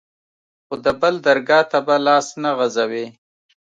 خو د بل درګا ته به لاس نه غځوې.